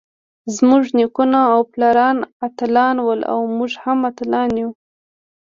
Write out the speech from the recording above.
زمونږ نيکونه او پلاران اتلان ول اؤ مونږ هم اتلان يو.